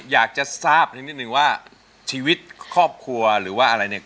อยากจะทราบนิดนึงว่าชีวิตครอบครัวหรือว่าอะไรเนี่ย